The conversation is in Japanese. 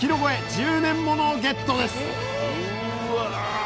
１０年ものをゲットです！